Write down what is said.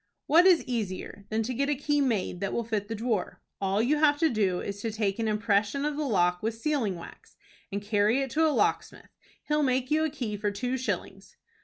"What is easier than to get a key made that will fit the drawer? All you'll have to do is to take an impression of the lock with sealing wax, and carry it to a locksmith. He'll make you a key for two shillings."